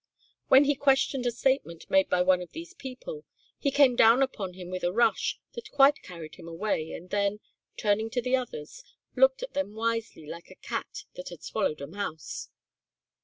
When he questioned a statement made by one of these people, he came down upon him with a rush that quite carried him away and then, turning to the others, looked at them wisely like a cat that has swallowed a mouse.